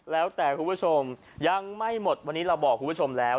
แล้วแต่คุณผู้ชมยังไม่หมดวันนี้เราบอกคุณผู้ชมแล้ว